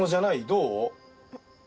どう？